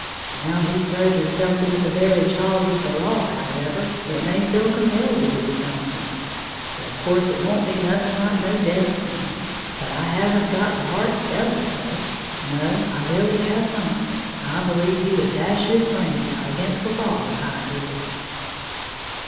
Now he's throwed hisself into the very jaws of the law, however, it may feel compelled to do something; but of course it won't be nothing like no death sentence. But I haven't got the heart to tell him so, no, I really have not, I believe he would dash his brains out again' the wall if I did."